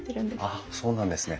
あっそうなんですね。